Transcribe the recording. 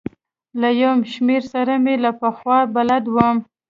له یو شمېرو سره مې له پخوا بلد وم.